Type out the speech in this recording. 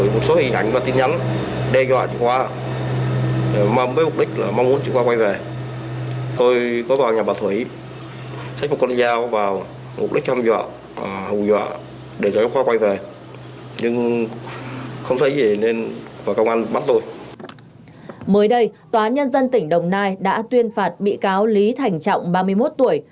mới đây tòa án nhân dân tỉnh đồng nai đã tuyên phạt bị cáo lý thành trọng ba mươi một tuổi